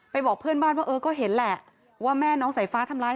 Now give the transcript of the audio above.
บอกเพื่อนบ้านว่าเออก็เห็นแหละว่าแม่น้องสายฟ้าทำร้าย